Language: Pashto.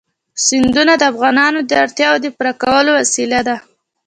سیندونه د افغانانو د اړتیاوو د پوره کولو وسیله ده.